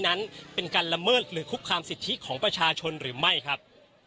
นั้นเป็นการละเมิดหรือคุกคามสิทธิของประชาชนหรือไม่ครับ